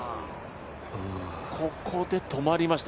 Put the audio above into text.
ここで止まりました。